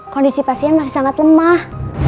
kondisi pasien masih sangat lemah